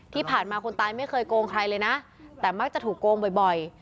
ที่ผ่านมาคนตายไม่เคยโกงใครเลยนะแต่มักจะถูกโกงบ่อย